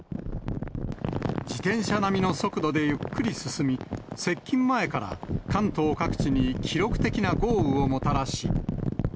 自転車並みの速度でゆっくり進み、接近前から関東各地に記録的な豪雨をもたらし。